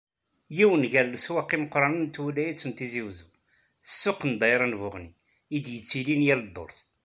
Yiwen gar n leswaq imeqqranen n twilayt n Tizi Uzzu, ssuq n ddayra n Buɣni, i d-yettilin yal ddurt.